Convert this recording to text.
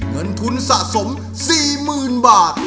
เงินทุนสะสม๔๐๐๐บาท